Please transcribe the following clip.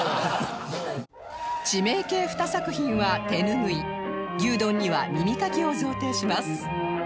地名系２作品は手ぬぐい「牛丼」には耳かきを贈呈します